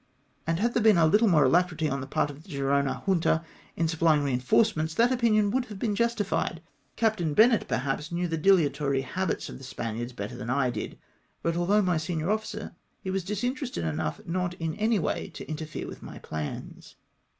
And had there been a httle more alacrity on the part of the Gerona Junta in supplying reinforcements, that opinion would have been justified. Captain Bennett perhaps Imew the dilatory habits of the Spaniards better than I did ; but although my senior ofiicer, he was disin terested enough not in any way to interfere with my plans.